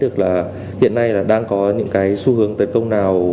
được là hiện nay là đang có những cái xu hướng tấn công nào